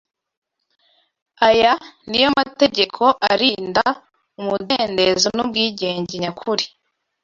Aya mategeko ni yo arinda umudendezo n’ubwigenge nyakuri